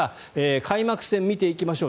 開幕戦、見ていきましょう。